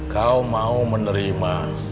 kau mau menerima